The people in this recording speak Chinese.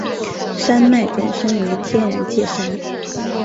山脉本身为天然界山。